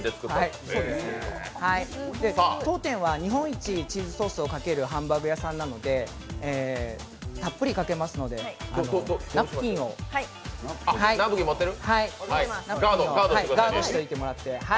当店は日本一チーズソースをかけるハンバーグ屋さんなので、たっぷりかけますので、ナプキンをガードしておいてもらって。